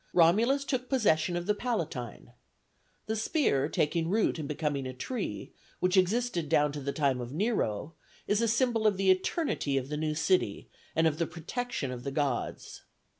Romulus took possession of the Palatine. The spear taking root and becoming a tree, which existed down to the time of Nero, is a symbol of the eternity of the new city, and of the protection of the gods.